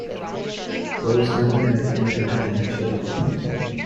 Rose never married and never had any children.